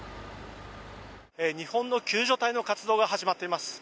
日本の救助隊の活動が始まっています。